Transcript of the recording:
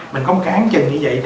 mình không cán chừng như vậy